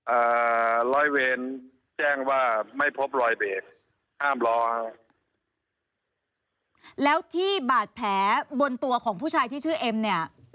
อ่าร้อยเวรแจ้งว่าไม่พบรอยเบรกห้ามรอแล้วที่บาดแผลบนตัวของผู้ชายที่ชื่อเอ็มเนี่ย